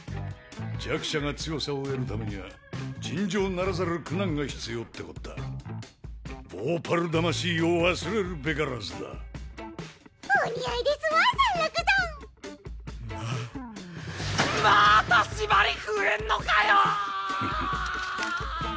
弱者が強さを得るためには尋常ならざる苦難が必要ってこったヴォーパル魂を忘れるべからずだお似合いですわサンラクさんままた縛り増えんのかよ！